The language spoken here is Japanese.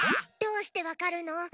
どうしてわかるの？